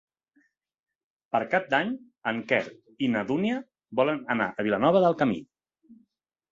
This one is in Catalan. Per Cap d'Any en Quer i na Dúnia volen anar a Vilanova del Camí.